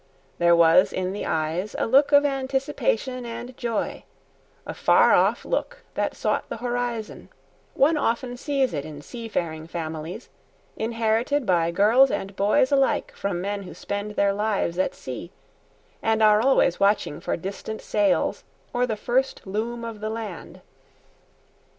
There was in the eyes a look of anticipation and joy, a far off look that sought the horizon; one often sees it in seafaring families, inherited by girls and boys alike from men who spend their lives at sea, and are always watching for distant sails or the first loom of the land.